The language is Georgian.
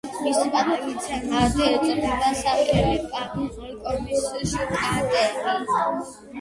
მის პატივსაცემად ეწოდა სახელი ფალკონის შტატს.